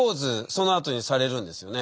そのあとにされるんですよね。